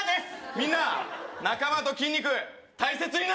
みんな仲間と筋肉大切にな